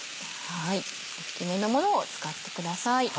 大きめのものを使ってください。